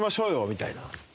みたいな。